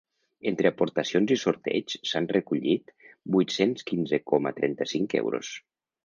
Entre aportacions i sorteigs s’han recollit vuit-cents quinze coma trenta-cinc euros.